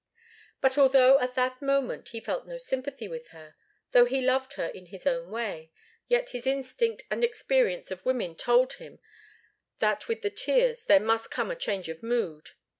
But although at that moment he felt no sympathy with her, though he loved her in his own way, yet his instinct and experience of women told him that with the tears there must come a change of mood.